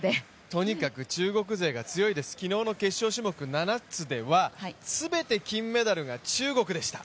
とにかく中国勢が強いです、昨日の決勝種目７つでは、全て金メダルが中国でした。